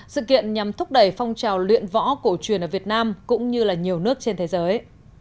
sự kiện nhằm thúc đẩy phong trào luyện võ cổ truyền ở việt nam cũng như nhiều nước trên thế giới